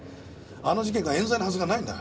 あの事件が冤罪のはずがないんだ。